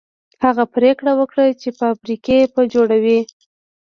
هغه پرېکړه وکړه چې فابريکې به جوړوي.